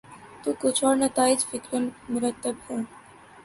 تو کچھ اور نتائج فکر مرتب ہوں۔